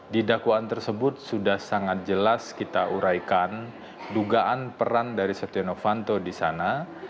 di dakwaan tersebut sudah sangat jelas kita uraikan dugaan peran dari setia novanto di sana